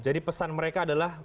jadi pesan mereka adalah